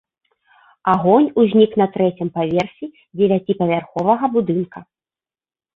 Агонь узнік на трэцім паверсе дзевяціпавярховага будынка.